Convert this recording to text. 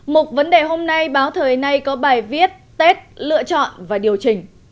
mục vấn đề hôm nay báo thời nay có bài viết tết lựa chọn và điều chỉnh